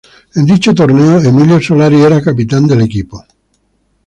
En dicho torneo, Emilio Solari, era capitán del equipo.